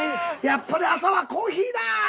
やっぱり朝はコーヒーだ。